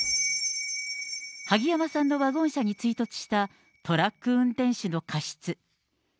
萩山さんのワゴン車に追突したトラック運転手の過失。